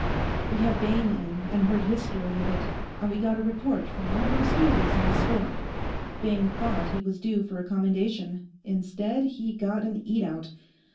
We had Bayne in, and heard his story of it, and we got a report from one of our stoolies in the store. Bayne thought he was due for a commendation; instead, he got an eat out.